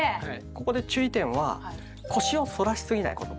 ここで注意点は腰を反らしすぎないこと。